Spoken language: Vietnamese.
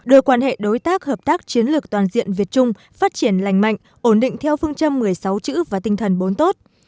đưa quan hệ đối tác hợp tác chiến lược toàn diện việt trung phát triển lành mạnh ổn định theo phương châm một mươi sáu chữ và tinh thần bốn tốt